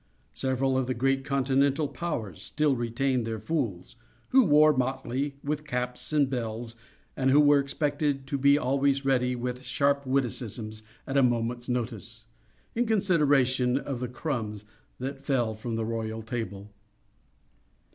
Several of the great continental "powers" still retain their "fools," who wore motley, with caps and bells, and who were expected to be always ready with sharp witticisms, at a moment's notice, in consideration of the crumbs that fell from the royal table.